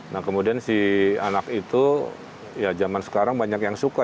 nah kemudian si anak itu ya zaman sekarang banyak yang suka